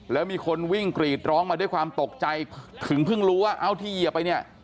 แล้วมีคนวิ่งกรีดร้องมาด้วยความตกใจถึงเพิ่งรู้ว่าเอ้าที่เหยียบไปเนี่ย